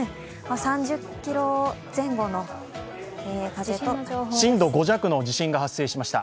３０キロ前後の風と震度５弱の地震が発生しました。